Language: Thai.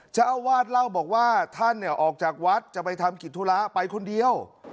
เจ้าอาวาสเล่าบอกว่าท่านออกจากวัดจะไปทำกิจธุระไปคนเดียว